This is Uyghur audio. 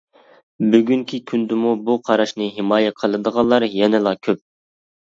بۈگۈنكى كۈندىمۇ بۇ قاراشنى ھىمايە قىلىدىغانلار يەنىلا كۆپ.